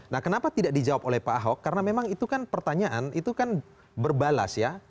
nah kenapa tidak dijawab oleh pak ahok karena memang itu kan pertanyaan itu kan berbalas ya